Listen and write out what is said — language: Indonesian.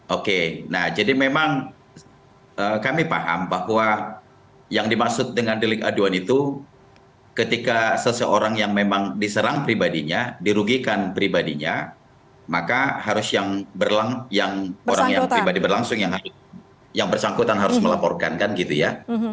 oke nah jadi memang kami paham bahwa yang dimaksud dengan delik aduan itu ketika seseorang yang memang diserang pribadinya dirugikan pribadinya maka harus yang orang yang pribadi berlangsung yang bersangkutan harus melaporkan kan gitu ya